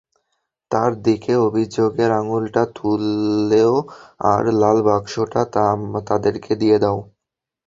তার দিকে অভিযোগের আঙুলটা তুলো আর লাল বাক্সটা তাদেরকে দিয়ে দাও।